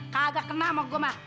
kagak kena sama gua mah